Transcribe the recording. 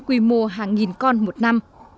quy mô hàng nghìn con một năm